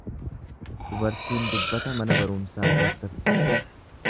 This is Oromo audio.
Dubartiin dubbata mana barumsaa keessatti.